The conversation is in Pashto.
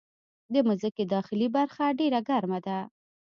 د مځکې داخلي برخه ډېره ګرمه ده.